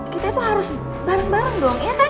kita tuh harus bareng bareng doang iya kan